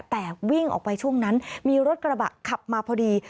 แต่วิ่งออกไปช่วงนั้นมีรถกระบะขับมาพอดี